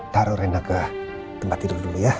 taruh renda ke tempat tidur dulu ya